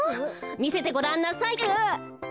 みせてごらんなさい。